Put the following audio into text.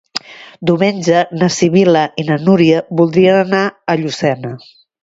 Diumenge na Sibil·la i na Núria voldrien anar a Llucena.